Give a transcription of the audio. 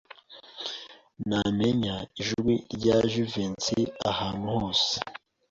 Namenya ijwi rya Jivency ahantu hose.